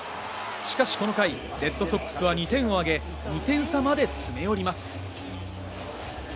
しかしこの回、レッドソックスは２点を挙げ、２点差まで詰め寄ります。